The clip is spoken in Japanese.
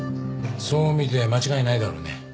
そう見て間違いないだろうね。